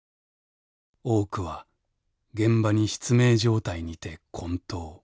多くは現場に失明状態にてこん倒。